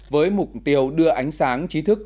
với mục tiêu đưa ánh sáng trí thức